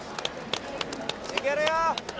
いけるよ！